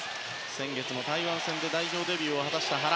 先月、台湾戦で代表デビューを果たした原。